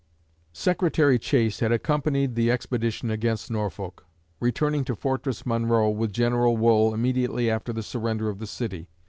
'" Secretary Chase had accompanied the expedition against Norfolk, returning to Fortress Monroe with General Wool immediately after the surrender of the city.